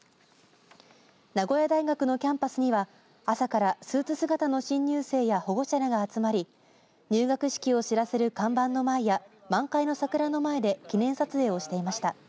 名古屋大学のキャンパスには朝からスーツ姿の新入生や保護者らが集まり入学式を知らせる看板の前や満開の桜の前で記念撮影をしていました。